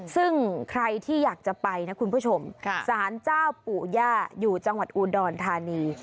ซึ่งใครที่อยากจะไปนะคุณผู้ชมสารเจ้าปู่ย่าอยู่จังหวัดอุดรธานี